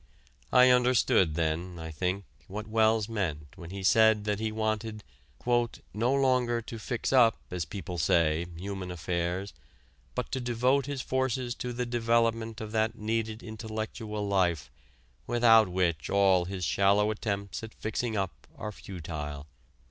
I understood then, I think, what Wells meant when he said that he wanted "no longer to 'fix up,' as people say, human affairs, but to devote his forces to the development of that needed intellectual life without which all his shallow attempts at fixing up are futile."